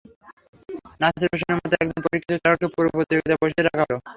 নাসির হোসেনের মতো একজন পরীক্ষিত খেলোয়াড়কে পুরো প্রতিযোগিতায় বসিয়ে রাখা হলো।